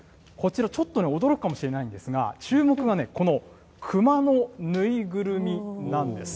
ちょっと驚くかもしれないんですが、注目がね、この熊の縫いぐるみなんです。